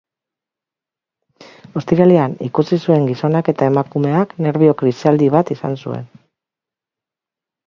Ostiralean ikusi zuen gizonak, eta emakumeak nerbio krisialdi bat izan zuen.